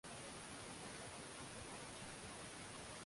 Kitambaa kile kimelowa maji